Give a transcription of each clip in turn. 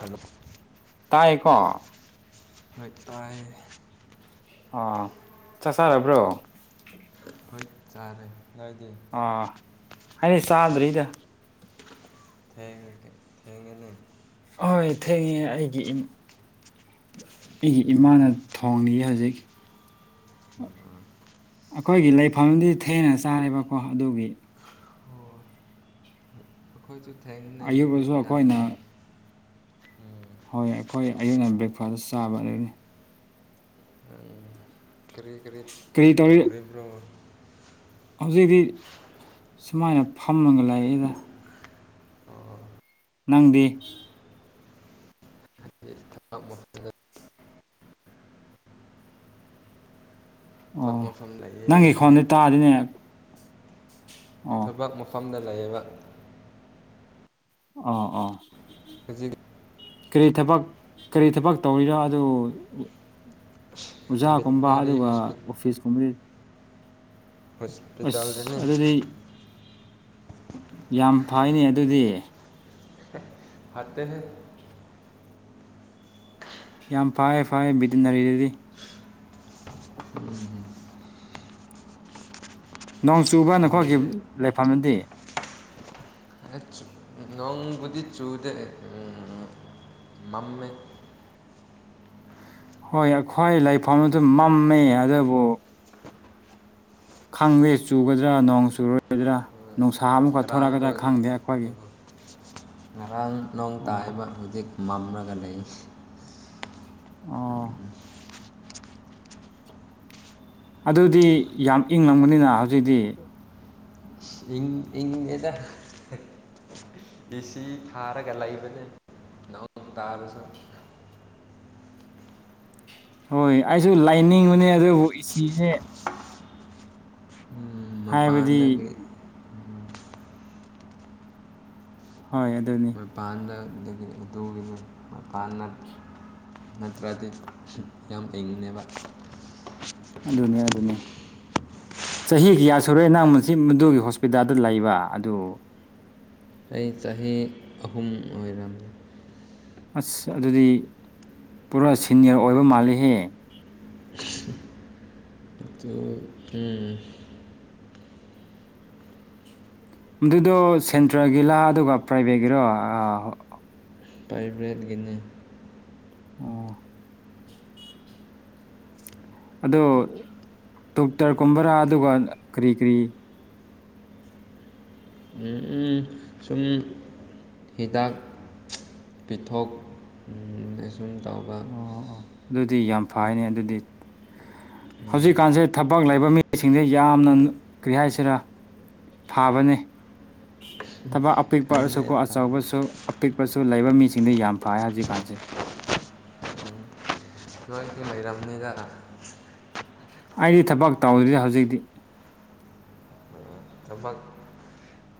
hello ꯇꯥꯏꯀꯣ ꯍꯣꯏ ꯇꯥꯏ ꯑꯥ ꯆꯥꯛ ꯆꯥꯔꯕ꯭ꯔꯣ ꯍꯣꯏ ꯆꯥꯔꯦ ꯅꯣꯏꯗꯤ ꯑꯥ ꯑꯩꯗꯤ ꯆꯥꯗ꯭ꯔꯤꯗꯥ ꯊꯦꯡꯉꯦ ꯌꯦꯡꯉꯦꯅꯦ ꯍꯣꯏ ꯊꯦꯡꯉꯦ ꯑꯩꯒꯤ ꯏꯝ ꯑꯩꯒꯤ ꯏꯃꯥꯅ ꯊꯣꯡꯉꯤꯌꯦ ꯍꯧꯖꯤꯛ ꯑꯩꯈꯣꯏꯒꯤ ꯂꯩꯐꯝꯗꯤ ꯊꯦꯡꯅ ꯆꯥꯔꯦꯕꯀꯣ ꯑꯗꯨꯒꯤ ꯑꯣ ꯑꯩꯈꯣꯏꯁꯨ ꯊꯦꯡꯕꯅꯦ ꯑꯌꯨꯛꯇꯁꯨ ꯍꯧꯖꯤꯛ ꯑꯩꯈꯣꯏꯅ ꯉꯟꯅꯁꯨ ꯍꯣꯏ ꯑꯩꯈꯣꯏ ꯑꯌꯨꯛꯅ ꯕ꯭ꯔꯦꯛꯐꯥꯁꯇ ꯆꯥꯕ ꯑꯗꯨꯒꯤꯅꯤ ꯀꯔꯤ ꯀꯔꯤ ꯇꯧꯔꯤꯕ꯭ꯔꯣ ꯍꯧꯖꯤꯛꯇꯤ ꯁꯨꯃꯥꯏꯅ ꯐꯝꯃꯒ ꯂꯩꯌꯦꯗ ꯑꯣ ꯅꯪꯗꯤ [unintelligible] ꯊꯕꯛ ꯑꯣ ꯃꯐꯝ ꯂꯩꯌꯦ ꯅꯪꯒꯤ ꯑꯩꯗꯤ ꯈꯣꯟꯗꯤ ꯇꯥꯗꯤꯅꯦ ꯑꯣ ꯊꯕꯛ ꯃꯐꯝꯗ ꯂꯩꯌꯦꯕꯥ ꯑꯣ ꯑꯣ ꯍꯧꯖꯤꯛ ꯀꯔꯤ ꯊꯕꯛ ꯀꯔꯤ ꯊꯕꯛ ꯇꯧꯔꯤꯔ ꯑꯗꯨ ꯑꯣꯖꯥꯒꯨꯝꯕ ꯚꯦꯇꯤꯅꯥꯔꯤ ꯑꯗꯨꯒ ꯍꯣꯁꯄꯤ ꯑꯣꯐꯤꯁ ꯒꯨꯝꯕꯗꯤ ꯍꯣꯁꯄꯤꯇꯥꯜꯗꯅꯦ ꯑꯁ ꯑꯗꯨꯗꯤ ꯌꯥꯝ ꯐꯩꯅꯦ ꯑꯗꯨꯗꯤ ꯐꯠꯇꯦꯍꯦ ꯌꯥꯝ ꯐꯥꯏꯌꯦ ꯐꯥꯏꯌꯦ ꯕꯤꯗꯅꯔꯤꯗꯨꯗꯤ ꯅꯣꯡ ꯆꯨꯕꯅꯀꯣ ꯈꯪꯗꯦ [unintelligible] ꯂꯩꯐꯝꯗꯤ ꯑꯩꯁ ꯅꯣꯡꯕꯨꯗꯤ ꯆꯨꯗꯦ ꯎꯝ ꯃꯝꯃꯦ ꯍꯣꯏ ꯑꯩꯈꯣꯏ ꯂꯩꯐꯝꯗꯨ ꯃꯝꯃꯦ ꯑꯗꯨꯕꯨ ꯈꯪꯗꯦ ꯆꯨꯒꯗ꯭ꯔꯥ ꯅꯣꯡ ꯆꯨꯔꯣꯏꯗ꯭ꯔꯥ ꯅꯨꯡꯁꯥ ꯑꯃꯨꯛꯀ ꯉꯔꯥꯡꯗꯣ ꯊꯣꯔꯛꯒꯗ꯭ꯔꯥ ꯈꯪꯗꯦ ꯑꯩꯈꯣꯏꯒꯤ ꯉꯔꯥꯡ ꯅꯣꯡ ꯑꯣ ꯇꯥꯏꯕ ꯍꯧꯖꯤꯛ ꯃꯝꯂꯒ ꯂꯩ ꯑꯣ ꯑꯗꯨꯗꯤ ꯌꯥꯝ ꯏꯪꯂꯝꯒꯅꯤꯅ ꯍꯧꯖꯤꯛꯇꯤ ꯏꯪ ꯏꯪꯗꯦꯗ ꯑꯦꯁꯤ ꯊꯥꯔꯒ ꯂꯩꯕꯅꯦ ꯅꯣꯡ ꯇꯥꯔꯁꯨ ꯍꯣꯏ ꯑꯩꯁꯨ ꯂꯩꯅꯤꯡꯕꯅꯦ ꯑꯗꯨꯕꯨ ꯑꯦꯁꯤꯅꯦ [inaudible] ꯎꯝ ꯍꯥꯏꯕꯗꯤ ꯃꯄꯥꯟꯗꯒꯤ ꯍꯣꯏ ꯑꯗꯨꯅꯤ ꯃꯄꯥꯟꯗ ꯑꯗꯨꯒꯤ ꯑꯗꯨꯒꯤꯅꯦ ꯃꯄꯥꯟꯅ ꯅꯠꯇ꯭ꯔꯗꯤ ꯌꯥꯝ ꯍꯩꯕꯅꯦꯕ ꯑꯗꯨꯅꯦ ꯑꯗꯨꯅꯦ ꯆꯍꯤ ꯀꯌꯥ ꯁꯨꯔꯦ ꯅꯪ ꯃꯁꯤ ꯃꯗꯨꯒꯤ ꯍꯣꯁꯄꯤꯇꯥꯜꯗ ꯂꯩꯕ ꯑꯗꯨ ꯑꯩ ꯆꯍꯤ ꯑꯍꯨꯝ ꯑꯣꯏꯔꯝꯅꯤ ꯑꯁ ꯑꯗꯨꯗꯤ ꯄꯨꯔꯥ ꯁꯦꯅꯤꯌꯔ ꯑꯣꯏꯕ ꯃꯥꯜꯂꯤꯍꯦ ꯑꯗꯨ ꯎꯝ ꯑꯗꯨꯗꯣ ꯁꯦꯟꯇ꯭ꯔꯦꯜꯒꯤꯂꯥ ꯑꯗꯨꯒ ꯄ꯭ꯔꯥꯏꯚꯦꯠꯀꯤꯔꯣ ꯑꯥ ꯄꯥꯏꯕ꯭ꯔꯦꯠꯀꯤꯅꯦ ꯑꯣ ꯑꯗꯣ ꯗꯣꯛꯇꯔꯀꯨꯝꯕꯔꯥ ꯑꯗꯨꯒ ꯀꯔꯤ ꯀꯔꯤ ꯎꯝ ꯎꯝ ꯁꯨꯝ ꯍꯤꯗꯥꯛ ꯄꯤꯊꯣꯛ ꯎꯝ [unintelligible] ꯇꯧꯕ ꯑꯣ ꯑꯣ ꯑꯗꯨꯗꯤ ꯌꯥꯝ ꯐꯩꯅꯦ ꯑꯗꯨꯗꯤ ꯍꯧꯖꯤꯛꯀꯥꯟꯁꯦ ꯊꯕꯛ ꯂꯩꯕ ꯃꯤꯁꯤꯡꯁꯦ ꯌꯥꯝꯅꯅ ꯀꯔꯤ ꯍꯥꯏꯁꯤꯔꯥ ꯊꯥꯕꯅꯤ ꯊꯕꯛ ꯈꯪꯗꯦ ꯑꯄꯤꯛꯄꯔꯁꯨꯀꯣ ꯑꯆꯧꯕꯁꯨ ꯑꯄꯤꯛꯄꯁꯨ ꯂꯩꯕ ꯃꯤꯁꯤꯡꯗ ꯌꯥꯝ ꯐꯥꯏ ꯍꯧꯖꯤꯛ ꯀꯥꯟꯁꯦ ꯎꯝ ꯅꯣꯏꯁꯦ ꯂꯩꯔꯝ ꯑꯃꯦꯔꯥ ꯑꯩꯗꯤ ꯊꯕꯛ ꯇꯧꯗ꯭ꯔꯤꯗ ꯍꯧꯖꯤꯛꯗꯤ ꯊꯕꯛ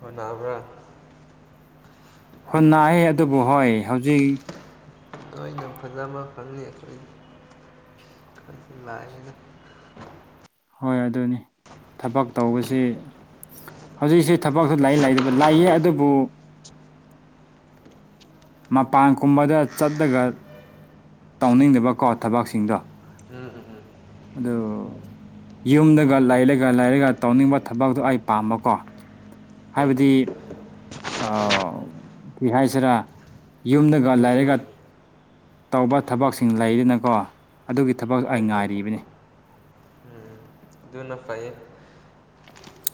ꯍꯣꯠꯅꯕ꯭ꯔꯥ ꯍꯣꯅꯥꯌꯦ ꯑꯗꯨꯕꯨ ꯍꯣꯏ ꯍꯧꯖꯤꯛ ꯅꯣꯏꯅ ꯐꯖꯕ ꯐꯪꯉꯤ ꯑꯩꯈꯣꯏ__ ꯑꯩꯈꯣꯏꯗꯤ ꯂꯥꯏꯅꯤꯅ ꯍꯣꯏ ꯑꯗꯨꯅꯤ ꯊꯕꯛ ꯇꯧꯕꯁꯤ ꯍꯧꯖꯤꯛꯁꯤ ꯊꯕꯛꯁꯨ ꯂꯩ ꯂꯩꯇꯕ ꯂꯩꯌꯦ ꯑꯗꯨꯕꯨ ꯃꯄꯥꯟꯀꯨꯝꯕꯗ ꯆꯠꯂꯒ ꯇꯧꯅꯤꯡꯗꯕꯀꯣ ꯊꯕꯛꯁꯤꯡꯗꯣ ꯎꯝ ꯎꯝ ꯑꯗꯨ ꯌꯨꯝꯗꯒ ꯂꯩꯂꯒ ꯂꯩꯔꯒ ꯇꯧꯅꯤꯡꯕ ꯊꯕꯛꯇꯣ ꯑꯩ ꯄꯥꯝꯕꯀꯣ ꯍꯣꯏ ꯍꯥꯏꯕꯗꯤ ꯑꯥ ꯀꯩ ꯍꯥꯏꯁꯤꯔꯥ ꯌꯨꯝꯗꯒ ꯑꯗꯨꯁꯨ ꯂꯩꯥꯔꯒ ꯇꯧꯕ ꯎꯝ ꯊꯕꯛꯁꯤꯡ ꯂꯩꯔꯤꯅꯀꯣ ꯑꯗꯨꯒꯤ ꯊꯕꯛ ꯍꯣꯏ ꯑꯩ ꯍꯣꯏ ꯉꯥꯏꯔꯤꯕꯅꯤ ꯗꯨꯅ ꯐꯩꯌꯦ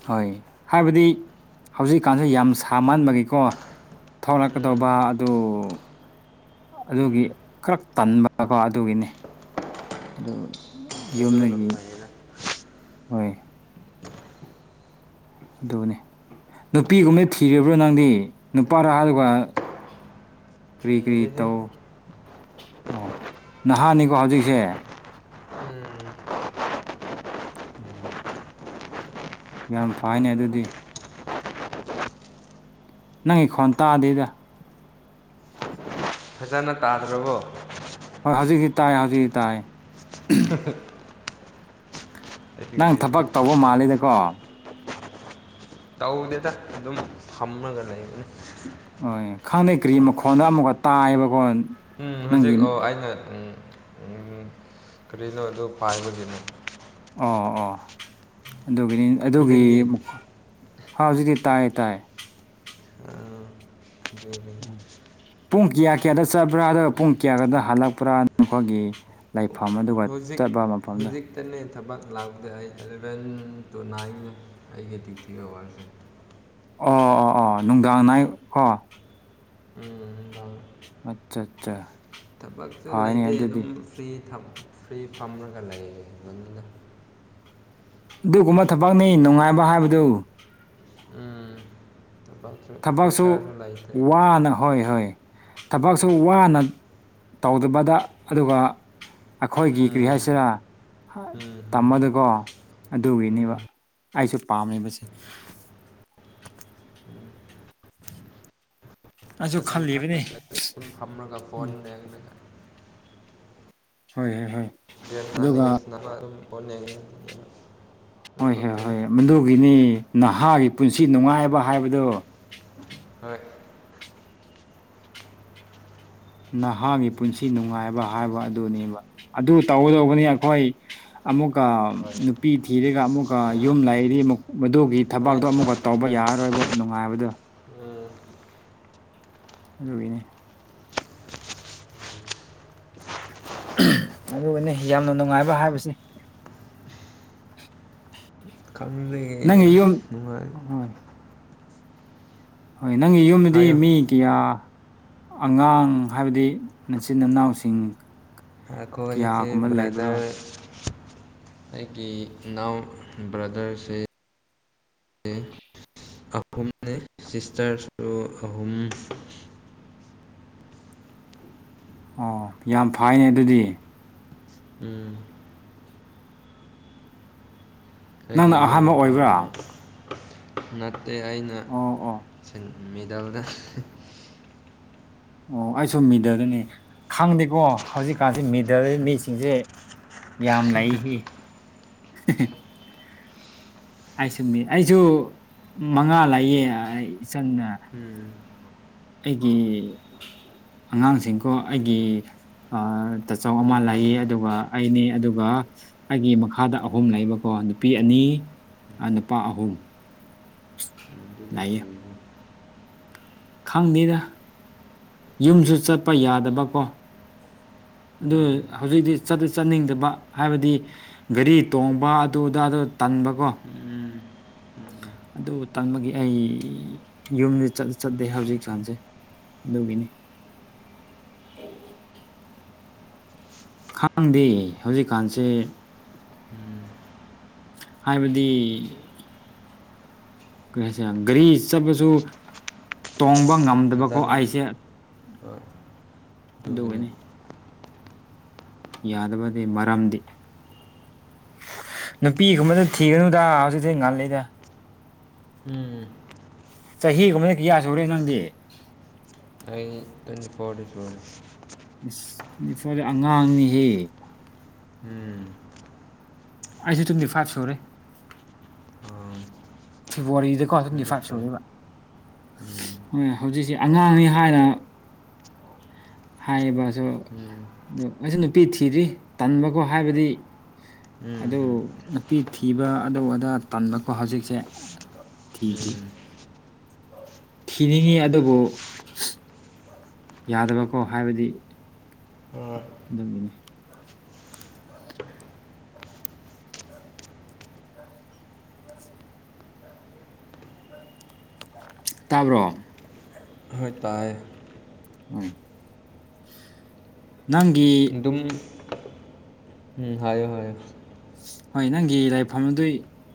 ꯍꯣꯏ ꯍꯥꯏꯕꯗꯤ ꯍꯧꯖꯤꯛꯀꯥꯟꯁꯤ ꯌꯥꯝ ꯁꯥ ꯃꯟꯕꯒꯤꯀꯣ ꯎꯝ ꯊꯧꯔꯛꯀꯗꯧꯕ ꯑꯗꯨ ꯑꯗꯨꯒꯤ ꯎꯝ ꯈꯔꯛ ꯇꯟꯕꯀꯣ ꯑꯗꯨꯒꯤꯅꯤ ꯑꯗꯨ ꯑꯗꯨꯅ ꯌꯨꯝꯅꯒꯤ ꯐꯩꯌꯦꯗ ꯍꯣꯏ ꯑꯗꯨꯅꯤ ꯅꯨꯄꯤꯒꯨꯝꯅ ꯊꯤꯔꯤꯕ꯭ꯔꯣ ꯅꯪꯗꯤ ꯅꯨꯄꯥꯔꯥ ꯍꯥꯏꯔꯒ ꯀ꯭ꯔꯤ ꯀ꯭ꯔꯤ ꯁꯤꯔꯦꯍꯦ ꯇꯧ ꯑꯣ ꯅꯍꯥꯅꯤꯀꯣ ꯍꯧꯖꯤꯛꯁꯦ ꯎꯝ ꯑꯣ ꯌꯥꯝ ꯐꯥꯏꯅꯦ ꯑꯗꯨꯗꯤ ꯅꯪꯒꯤ ꯈꯣꯟ ꯇꯥꯗ‌ꯦꯗ ꯐꯥꯅ ꯇꯥꯗ꯭ꯔꯕꯣ ꯍꯣꯏ ꯍꯧꯖꯤꯛꯇꯤ ꯇꯥꯏ ꯍꯧꯖꯤꯛ ꯇꯥꯏ ꯅꯪ ꯑꯩꯒꯤꯗꯤ ꯊꯕꯛ ꯇꯧꯕ ꯃꯥꯜꯂꯤꯗꯀꯣ ꯇꯧꯗꯦꯗ ꯑꯗꯨꯝ ꯐꯝꯂꯒ ꯂꯩꯕꯅ‌ꯦ ꯍꯣꯏ ꯈꯪꯅꯩ ꯀ꯭ꯔꯤ ꯃꯈꯣꯟꯅꯣ ꯑꯃꯨꯛꯀ ꯇꯥꯏꯌꯦꯕꯀꯣ ꯎꯝ ꯍꯧꯖꯤꯛ ꯅꯪꯒꯤꯃ __ ꯑꯣ ꯑꯩꯅ ꯎꯝ ꯎꯝꯍꯨꯝ ꯀꯔꯤꯅꯣ ꯑꯗꯨ ꯄꯥꯏꯕꯒꯤꯅꯦ ꯑꯣ ꯑꯣ ꯑꯗꯨꯒꯤꯅꯤ ꯑꯗꯨꯒꯤ ꯍꯧꯖꯤꯛꯇꯤ ꯃꯈꯣꯟ__ ꯍꯥꯥ ꯍꯧꯖꯤꯛꯇꯤ ꯇꯥꯏ ꯇꯥꯏ ꯎꯝ ꯄꯨꯡ ꯀꯌꯥ ꯀꯌꯥꯗ ꯆꯠꯄ꯭ꯔꯥ ꯑꯗꯨꯒ ꯄꯨꯡ ꯀꯌꯥꯗ ꯍꯜꯂꯛꯄ꯭ꯔꯥ ꯅꯈꯣꯏꯒꯤ ꯂꯩꯐꯝ ꯑꯗꯨ ꯍꯧꯖꯤꯛ ꯍꯨꯖꯤꯛ ꯑꯩꯇꯅꯦ ꯊꯕꯛ ꯂꯥꯛꯄꯗ ꯑꯩ ꯑꯦꯂꯚꯦꯟ ꯇꯨ ꯅꯥꯏꯟ ꯑꯩꯒꯤ ꯗ꯭ꯌꯨꯇꯤ ꯑꯋꯥꯔꯅꯦ ꯑꯣ ꯑꯣ ꯑꯣ ꯅꯨꯡꯗꯥꯡ ꯅꯥꯏꯠ ꯀꯣ ꯎꯝ ꯅꯨꯡꯗꯥꯡ ꯑꯠꯆꯥ ꯑꯠꯆꯥ ꯊꯕꯛꯁꯨ ꯐꯩꯅꯦ ꯂꯩꯇꯦ ꯑꯗꯨꯝ ꯑꯗꯨꯗꯤ ꯐ꯭ꯔꯤ ꯐ꯭ꯔꯤ ꯐꯝꯔꯒ ꯂꯩ ꯃꯅꯨꯡꯗ ꯑꯗꯨꯒꯨꯝꯕ ꯊꯕꯛꯅꯤ ꯅꯨꯡꯉꯥꯏꯕ ꯍꯥꯏꯕꯗꯨ ꯎꯝ [inaudible] ꯊꯕꯛꯁꯨ ꯂꯩꯇꯦ ꯋꯥꯅ ꯍꯣꯏ ꯍꯣꯏ ꯊꯕꯛꯁꯨ ꯋꯥꯅ ꯇꯧꯗꯕꯗ ꯑꯗꯨꯒ ꯑꯩꯈꯣꯏꯒꯤ ꯎꯝ ꯀꯔꯤ ꯍꯥꯏꯁꯤꯔ ꯎꯝ ꯎꯝ ꯇꯝꯕꯗꯀꯣ ꯑꯗꯨꯒꯤꯅꯦꯕ ꯑꯩꯁꯨ ꯄꯥꯝꯃꯤꯕꯁꯦ ꯑꯩꯁꯨ ꯀꯁꯝ ꯈꯜꯂꯤꯕꯅꯤ [unintelligible] ꯐꯝꯔꯒ ꯐꯣꯟ ꯌꯦꯡꯔꯒ ꯍꯣꯏ ꯍꯣꯏ ꯍꯣꯏ ꯒ꯭ꯌꯥꯟ ꯑꯗꯨꯒ ꯇꯥꯅꯤꯡꯉꯗꯤ ꯁꯥꯅꯕ ꯑꯗꯨꯝ ꯐꯣꯟ ꯌ‌ꯦꯡꯉꯤ ꯍꯣꯏ ꯍꯣꯏ ꯍꯣꯏ ꯃꯗꯨꯒꯤꯅꯤ ꯅꯍꯥꯒꯤ ꯄꯨꯟꯁꯤ ꯅꯨꯡꯉꯥꯏꯕ ꯍꯥꯏꯕꯗꯣ ꯍꯣꯏ ꯅꯍꯥꯒꯤ ꯄꯨꯟꯁꯤ ꯅꯨꯡꯉꯥꯏꯕ ꯍꯥꯏꯕ ꯑꯗꯨꯅꯦꯕ ꯑꯗꯨ ꯇꯧꯒꯗꯧꯕꯅꯤ ꯑꯩꯈꯣꯏ ꯑꯃꯨꯛꯀ ꯅꯨꯄꯤ ꯊꯤꯔꯒ ꯑꯃꯨꯛꯀ ꯌꯨꯝ ꯂꯩꯔꯤ ꯑꯃꯨꯛ ꯃꯗꯨꯒꯤ ꯍꯣꯏ ꯊꯕꯥꯛꯇꯣ ꯑꯃꯨꯛꯀ ꯇꯧꯕ ꯌꯥꯔꯔꯣꯏꯕ ꯅꯨꯡꯉꯥꯏꯕꯗꯣ ꯎꯝ ꯑꯗꯨꯒꯤꯅꯤ ꯑꯗꯨꯒꯅꯦ ꯌꯥꯝꯅ ꯅꯨꯡꯉꯥꯏꯕ ꯍꯥꯏꯕꯁꯤ ꯈꯪꯗꯦ ꯅꯪꯒꯤ ꯌꯨꯝ ꯅꯨꯡꯉꯥꯏ ꯍꯣꯏ ꯅꯪꯒꯤ ꯌꯨꯝꯗꯗꯤ ꯍꯥꯏꯌꯣ ꯃꯤ ꯀꯌꯥ ꯑꯉꯥꯡ ꯍꯥꯏꯕꯗꯤ ꯃꯆꯤꯟ ꯅꯅꯥꯎꯁꯤꯡ ꯑꯩꯈ‌ꯣꯏꯁ‌ꯦ ꯕ꯭ꯔꯗꯔ ꯑꯩꯒꯤ ꯏꯅꯥꯎ ꯕ꯭ꯔꯗꯔꯁꯦ ꯑꯍꯨꯝꯅꯦ ꯁꯤꯁꯇꯔꯁꯨ ꯑꯍꯨꯝ ꯑꯣ ꯌꯥꯝ ꯐꯩꯅꯦ ꯑꯗꯨꯗꯤ ꯎꯝ ꯑꯩꯒꯤ ꯅꯪꯅ ꯑꯍꯥꯟꯕ ꯏꯅꯥꯎꯅꯨꯄꯥ ꯑꯣꯏꯕ꯭ꯔꯥ ꯑꯃ ꯅꯠꯇꯦ ꯑꯩꯅ ꯑꯣ ꯑꯣ ꯃꯤꯗꯜꯗ ꯑꯣ ꯑꯩꯁꯨ ꯃꯤꯗꯜꯅꯤ ꯈꯪꯗꯦꯀꯣ ꯍꯧꯖꯤꯛꯀꯥꯟꯁꯤ ꯃꯤꯗꯜ ꯃꯤꯁꯤꯡꯁꯦ ꯌꯥꯝ ꯂꯩ ꯑꯩꯁꯨ ꯃꯉꯥ ꯂꯩꯌꯦ ꯏꯆꯥꯟ ꯑ ꯎꯝ ꯑꯩꯒꯤ ꯑꯉꯥꯡꯁꯤꯡꯀꯣ ꯑꯩꯒꯤ ꯑ ꯇꯆꯧ ꯑꯃ ꯎꯝ ꯂꯩꯌꯦ ꯑꯗꯨꯒ ꯑꯩꯅꯦ ꯑꯗꯨꯒ ꯑꯩꯒꯤ ꯃꯈꯥꯗ ꯑꯍꯨꯝ ꯂꯩꯕꯀꯣ ꯅꯨꯄꯤ ꯑꯅꯤ ꯅꯨꯄꯥ ꯑꯍꯨꯝ ꯑꯗꯨꯗꯤ ꯂꯩꯌꯦ ꯐꯩꯀꯣ ꯈꯪꯅꯗꯦꯗ ꯌꯨꯝꯁꯨ ꯆꯠꯄ ꯌꯥꯗꯕꯀꯣ ꯑꯗꯨ ꯎꯝ ꯍꯧꯖꯤꯛꯇꯤ ꯆꯠꯇꯤ ꯆꯠꯅꯤꯡꯗꯕ ꯍꯥꯏꯕꯗꯤ ꯒꯥꯔꯤ ꯇꯣꯡꯕ ꯑꯗꯨ ꯑꯗꯥꯗꯨ ꯇꯟꯕ ꯀꯣ ꯎꯝ ꯑꯗꯨ ꯇꯥꯟꯕꯒꯤ ꯑꯩ ꯌꯨꯝꯗꯤ ꯆꯠꯇꯤ ꯆꯠꯇꯦ ꯍꯧꯖꯤꯛ ꯆꯥꯟꯁꯦ ꯑꯗꯨꯒꯤꯅꯤ ꯈꯥꯡꯗꯦ ꯍꯧꯖꯤꯛꯀꯥꯟꯁꯦ ꯎꯝ ꯍꯥꯏꯕꯗꯤ ꯀꯩ ꯍꯥꯏꯁꯤꯔ ꯒꯥꯔꯤ ꯆꯠꯄꯁꯨ ꯇꯣꯡꯕ ꯉꯝꯗꯕꯀꯣ ꯐꯖꯅ ꯑꯩꯁꯦ ꯍꯣꯏ ꯑꯗꯨ ꯑꯗꯨꯒꯤꯅꯤ ꯑꯣꯏꯅꯤ ꯌꯥꯗꯕꯗꯤ ꯃꯔꯝꯗꯤ ꯅꯨꯄꯤꯒꯨꯝꯕꯗꯤ ꯊꯤꯒꯅꯨꯗ ꯍꯧꯖꯤꯛꯇꯤ ꯉꯜꯂꯤꯗ ꯎꯝ ꯆꯍꯤꯒꯨꯝꯕꯗꯤ ꯀꯌꯥ ꯁꯨꯔꯦ ꯅꯪꯗꯤ ꯑꯩ ꯇꯨꯋꯦꯟꯇꯤ ꯐꯣꯔ ꯁꯨꯔꯦ ꯏꯁ ꯇ꯭ꯋꯦꯟꯇꯤ ꯑꯉꯥꯡꯅꯤꯍꯦ ꯎꯝ ꯑꯩꯁꯨ ꯇꯨꯡꯇꯤ ꯐꯥꯏꯚ ꯁꯨꯔꯦ ꯑꫭ ꯐꯦꯕꯋꯥꯔꯤꯗꯀꯣ ꯇ꯭ꯋꯦꯟꯇꯤꯐꯥꯏꯚ ꯁꯨꯔ°ꯕ ꯎꯝ ꯑꯨꯝ ꯍꯧꯖꯤꯛꯁꯤ ꯑꯉꯥꯡꯅꯤ ꯍꯥꯏꯅ ꯍꯥꯏꯕꯁꯨ ꯎꯝ ꯑꯗꯣ ꯑꯩꯁꯨ ꯅꯨꯄꯤ ꯊꯤꯗ꯭ꯔꯤ ꯇꯟꯕꯀꯣ ꯍꯥꯏꯕꯗꯤ ꯑꯗꯨ ꯎꯝ ꯎꯝ ꯅꯨꯄꯤ ꯊꯤꯕ ꯑꯗꯨ ꯑꯗꯥ ꯇꯟꯕꯀꯣ ꯍꯧꯖꯤꯛꯁꯦ [inaudible] ꯎꯝ ꯊꯤꯅꯤꯡꯉꯤ ꯑꯗꯨꯕꯨ ꯌꯥꯗꯕꯀꯣ ꯍꯥꯏꯕꯗꯤ ꯍꯣꯏ ꯑꯗꯨꯒꯤꯅꯤ ꯇꯥꯕ꯭ꯔꯣ ꯍꫭꯏ ꯇꯥꯏ ꯍꯣꯏ ꯅꯪꯒꯤ ꯑꯗꯨꯝ ꯎꯝ ꯍꯥꯏꯌꫭ ꯍꯥꯏꯌꫭ ꯍꯣꯏ ꯅꯪꯒꯤ ꯂꯥꯏꯐꯝꯗꯨ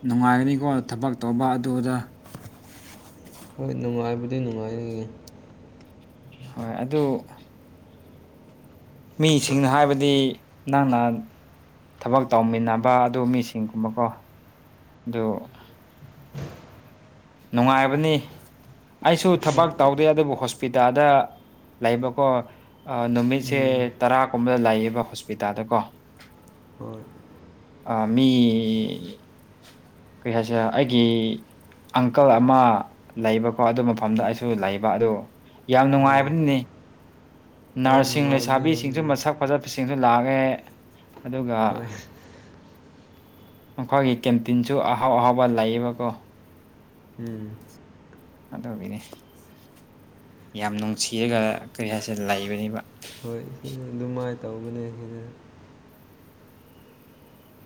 ꯅꯨꯡꯉꯥꯏꯒꯅꯤꯀꯣ ꯊꯕꯛ ꯇꯧꯕ ꯑꯗꯨ ꯑꯗꯥ ꯍꯣꯏ ꯅꯨꯡꯉꯥꯏꯕꯨꯗꯤ ꯅꯨꯡꯉꯥꯏꯔꯦ ꯍꯣꯏ ꯑꯗꯨ ꯃꯤꯁꯤꯡꯅ ꯍꯥꯏꯕꯗꯤ ꯅꯪ ꯅ ꯊꯕꯛ ꯇꯧꯃꯤꯟꯅꯕ ꯑꯗꯨ ꯃꯤꯁꯤꯡꯒꯨꯝꯕꯀꯣ ꯑꯗꯨ ꯅꯨꯡꯉꯥꯏꯕꯅꯤ ꯑꯩꯁꯨ ꯊꯕꯛ ꯇꯧꯗꯦ ꯑꯗꯨꯕꯨ ꯍꯣꯁꯄꯤꯇꯥꯜꯗ ꯂꯩꯕꯀꯣ ꯅꯨꯃꯤꯠꯁꯦ ꯎꯝ ꯇꯔꯥꯒꯨꯝꯕꯗ ꯂꯩꯌꯦꯕ ꯍꯣꯁꯄꯤꯇꯥꯜꯗꯀꯣ [inaudible] ꯍꯣꯏ ꯑ ꯃꯤ ꯀꯔꯤ ꯍꯥꯏꯁꯦꯔ ꯑꯩꯒꯤ ꯑꯪꯀꯜ ꯑꯃ ꯂꯩꯕꯀꯣ ꯑꯗꯨ ꯃꯐꯝꯗ ꯑꯩꯁꯨ ꯂꯩꯕ ꯑꯗꯨ ꯌꯥꯝ ꯑꯥ ꯅꯨꯡꯉꯥꯏꯕꯅꯤꯅ° ꯍꯣꯏ ꯅꯔ꯭ꯁꯁꯤꯡ ꯅꯨꯡꯉꯥꯏꯕꯗꯤ ꯌꯥꯝ ꯂꯩꯁꯥꯕꯤꯁꯤꯡꯁꯨ ꯅꯨꯡꯉꯥꯏ ꯃꯁꯛ ꯆꯠꯄꯁꯤꯡꯁꯨ ꯂꯥꯛꯉꯦ ꯑꯗꯨꯒ ꯍꯣꯏ ꯃꯈꯣꯏꯒꯤ ꯀꯦꯟꯇꯤꯟꯁꯨ ꯑꯍꯥꯎ ꯑꯍꯥꯎꯕ ꯂꯩꯌꯦꯕꯀꯣ ꯎꯝ ꯑꯗꯨꯒꯅꯤ ꯌꯥꯝ ꯅꯨꯡꯁꯤꯔꯒ ꯀꯔꯤ ꯍꯥꯏꯁꯦ ꯂꯩꯕꯅꯤꯕ ꯍꯣꯏ ꯑꯗꯨꯃꯥꯏꯅ ꯇꯧꯕꯅꯦ ꯁꯤꯟꯅ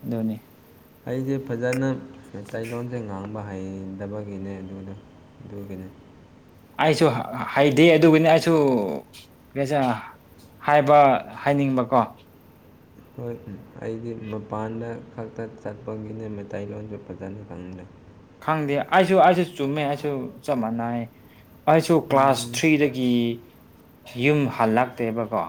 ꯑꯗꯨꯅꯤ ꯑꯩꯁꯦ ꯐꯖꯅ ꯃꯇꯩꯂꯣꯟꯁꯦ ꯉꯥꯡꯕ ꯍꯩꯗꯕꯒꯤꯅꯦ ꯑꯗꯨꯗꯥ ꯑꯗꯨꯒꯤꯅꯤ ꯑꯩꯁꯨ ꯍꯩꯗꯦ ꯑꯗꯨꯒꯤꯅꯤ ꯑꯩꯁꯨꯁ ꯍꯥꯏꯕ ꯍꯥꯏꯅꯤꯡꯕꯀꯣ ꯍꯣꯏ ꯑꯩꯗꯤ ꯃꯄꯥꯟꯗ ꯈꯛꯇ ꯆꯠꯄꯒꯤꯅꯦ ꯃꯩꯇꯩ ꯂꯣꯟꯁꯨ ꯐꯖꯅ ꯈꯪꯗꯦ ꯈꯪꯗꯦ ꯑꯩꯁꯨ ꯑꯩꯁꯨ ꯆꯨꯝꯃꯦ ꯑꯩꯁꯨ ꯆꯞ ꯃꯥꯟꯅꯩ ꯑꯩꯁꯨ ꯀ꯭ꯂꯥꯁ ꯊ꯭ꯔꯤꯗꯒꯤ ꯌꯨꯝ ꯍꯜꯂꯛꯇꯦꯕ ꯀꯣ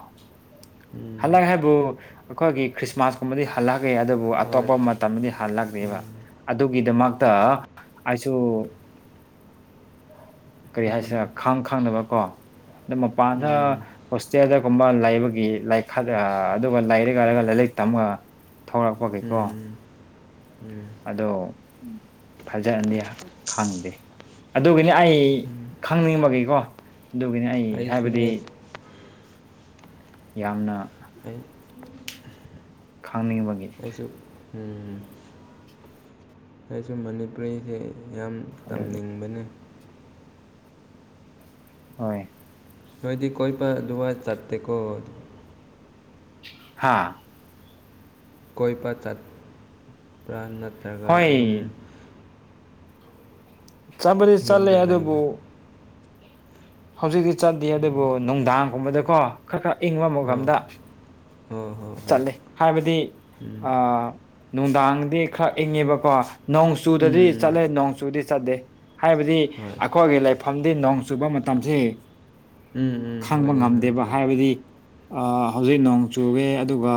ꯍꯜꯂꯛꯑꯦ ꯍꯥꯏꯕꯨ ꯑꯩꯈꯣꯏꯒꯤ ꯈ꯭ꯔꯤꯁꯃꯥꯁ ꯀꯨꯝꯕꯗꯤ ꯍꯜꯂꯛꯒꯦ ꯑꯗꯨꯕꯨ ꯍꯣꯏ ꯑꯇꯣꯞꯄ ꯃꯇꯝꯗꯗꯤ ꯍꯜꯂꯛꯗꯦꯕ ꯎꯝ ꯑꯗꯨꯒꯤꯗꯃꯛꯇ ꯑꯩꯁꯨ ꯀꯔꯤ ꯎꯝ ꯍꯥꯏꯁꯤꯔ ꯈꯪ ꯈꯪꯗꯕ ꯀꯣ ꯃꯄꯥꯟꯗ ꯍꯣꯁꯇꯦꯜꯗꯒꯨꯝꯕ ꯂꯩꯕꯒꯤ ꯂꯥꯏꯛ [unintelligible] ꯑꯗꯨꯒ ꯂꯥꯏꯔꯛ ꯍꯥꯏꯔꯒ ꯂꯥꯏꯔꯤꯛ ꯇꯝꯃ ꯊꯣꯛꯂꯛꯄꯒꯤ ꯎꯝ ꯀꯣ ꯎꯝ ꯎꯝ ꯑꯗꯣ ꯐꯥꯖꯅꯤꯗꯤ ꯈꯪꯗꯦ ꯑꯗꯨꯒꯤꯅꯤ ꯑꯩ ꯎꯝ ꯈꯪꯅꯤꯡꯕꯒꯤꯀꯣ ꯑꯗꯨꯒꯤꯅꯤ ꯑꯩ ꯍꯥꯏꯕꯗꯤ ꯑꯩꯁꯨꯅꯦ ꯌꯥꯝꯅ ꯑꯩ ꯈꯪꯅꯤꯡꯕꯒꯤ [unintelligible] ꯎꯝ ꯑꯩꯁꯨ ꯃꯅꯤꯄꯨꯔꯤꯁꯦ ꯌꯥꯝ ꯑꯗꯨꯒꯤ ꯇꯝꯅꯤꯡꯕꯅꯤ ꯍꯣꯏ ꯅꯣꯏꯗꯤ ꯀꯣꯏꯄ ꯑꯗꯨꯃꯥꯏꯟ ꯆꯠꯇꯦꯀꯣ ꯍꯥꯥ ꯀꯣꯏꯕ ꯆꯠꯄ꯭ꯔꯥ ꯅꯠꯇ꯭ꯔꯒ ꯑꯗꯨꯝ ꯍꯣꯏ ꯆꯠꯄꯗꯤ ꯆꯠꯂꯦ ꯌꯨꯝꯗ ꯑꯗꯨꯕꯨ ꯂꯩꯕ꯭ꯔꯥ ꯍꯧꯖꯤꯛꯇꯤ ꯆꯠꯗꯦ ꯑꯗꯨꯕꯨ ꯅꯨꯡꯗꯥꯡꯒꯨꯝꯕꯗ ꯀꯣ ꯈꯔ ꯈꯔ ꯏꯪꯕ ꯑꯣ ꯃꯐꯝꯗ ꯍꯣꯏ ꯍꯣꯏ ꯍꯣꯏ ꯆꯠꯂꯤ ꯍꯥꯏꯕꯗꯤ ꯎꯝ ꯑꯥ ꯅꯨꯡꯗꯥꯡꯗꯤ ꯈꯔ ꯏꯪꯉꯦꯕ ꯀꯣ ꯅꯣꯡ ꯆꯨꯗꯗꯤ ꯎꯝ ꯆꯠꯂꯦ ꯅꯣꯡ ꯆꯨꯗꯤ ꯆꯠꯇꯦ ꯍꯥꯏꯕꯗꯤ ꯍꯣꯏ ꯑꯩꯈꯣꯏꯒꯤ ꯂꯩꯐꯝꯗꯤ ꯅꯣꯡ ꯆꯨꯕ ꯃꯇꯝꯁꯤ ꯎꯝ ꯎꯝ ꯈꯪꯕ ꯍꯣꯏꯅꯦ ꯍꯣꯏ ꯉꯝꯗꯦꯕ ꯍꯣꯏ ꯍꯥꯏꯕꯗꯤ ꯑꯥ ꯍꯧꯖꯤꯛ ꯅꯣꯡ ꯆꯨꯋꯦ ꯑꯗꯨꯒ